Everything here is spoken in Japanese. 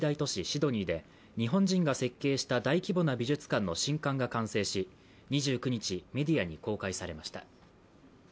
シドニーで日本人が設計した大規模な美術館の新館が完成し、２９日、メディアに公開されました。